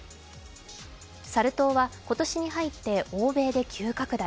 サル痘は今年に入って欧米で急拡大。